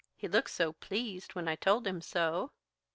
He looked so pleased when I told him so."